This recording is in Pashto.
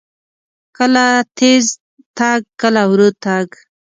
کله تیز تګ، کله ورو تګ.